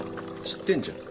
知ってんじゃん。